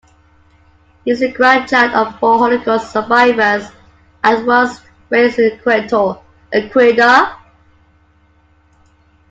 He is the grandchild of four Holocaust survivors and was raised in Quito, Ecuador.